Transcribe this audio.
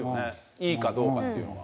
いいかどうかっていうのが。